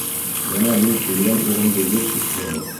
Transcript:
Бына мин үлгән иремде йыш иҫләйем.